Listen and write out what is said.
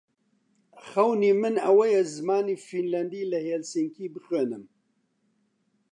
خەونی من ئەوەیە زمانی فینلاندی لە هێلسینکی بخوێنم.